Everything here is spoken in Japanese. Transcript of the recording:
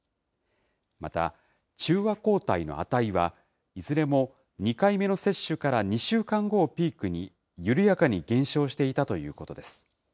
また中和抗体の値は、いずれも２回目の接種から２週間後をピークに緩やかに減少していたということです。